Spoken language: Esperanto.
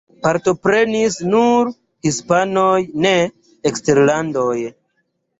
Partoprenis nur hispanoj, ne eksterlandanoj.